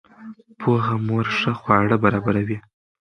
پوهه مور ښه خواړه برابروي.